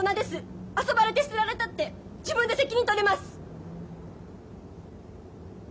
遊ばれて捨てられたって自分で責任取れます。